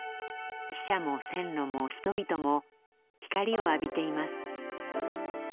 汽車も線路も人々も光を浴びています。